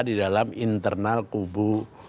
di dalam internal kubu